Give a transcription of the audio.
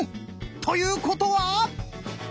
ということは！